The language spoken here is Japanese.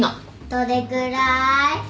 どれぐらい？